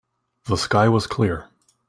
The sky was clear.